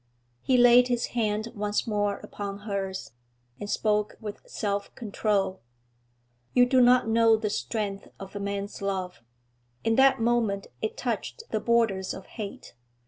He laid his hand once more upon hers, and spoke with self control. 'You do not know the strength of a man's love. In that moment it touched the borders of hate.